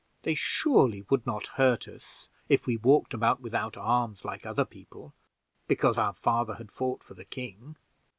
They surely would not hurt us (if we walked about without arms like other people) because our father had fought for the king?